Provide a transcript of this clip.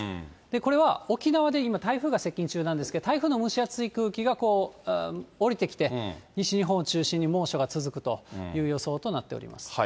これは沖縄で今、台風が接近中なんですけど、台風の蒸し暑い空気が下りてきて、西日本を中心に猛暑が続くという予想となっております。